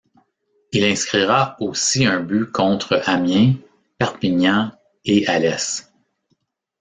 Il inscrira aussi un but contre Amiens, Perpignan et Alès.